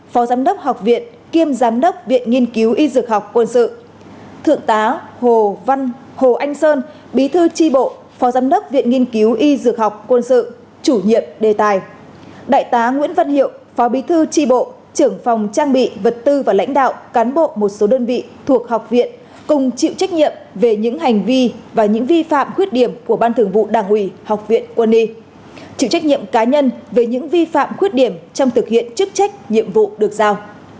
phó bí thư tri bộ trưởng phòng trang bị vật tư và lãnh đạo cán bộ một số đơn vị thuộc học viện cùng chịu trách nhiệm về những hành vi và những vi phạm khuyết điểm của ban thường vụ đảng ủy học viện quân y chịu trách nhiệm cá nhân về những vi phạm khuyết điểm trong thực hiện chức trách nhiệm vụ được giao